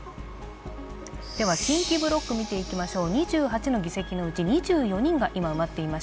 近畿ブロック見ていきましょう。